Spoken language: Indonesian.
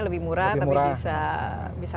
lebih murah tapi bisa